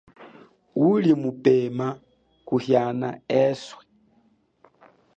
Uli mupema kuhiana eswe.